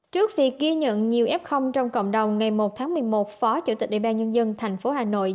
trước việc ghi nhận nhiều f trong cộng đồng ngày một tháng một mươi một phó chủ tịch ủy ban nhân dân thành phố hà nội